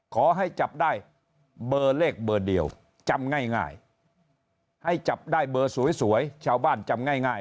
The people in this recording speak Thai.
ขอให้จับได้เบอร์เลขเบอร์เดียวจำง่ายให้จับได้เบอร์สวยชาวบ้านจำง่าย